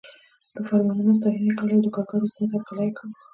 د فرمانونو ستاینه یې کوله او د کارګرو حکومت هرکلی یې کاوه.